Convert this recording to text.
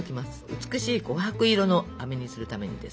美しい琥珀色のあめにするためにです。